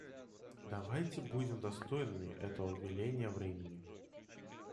Давайте будем достойными этого веления времени.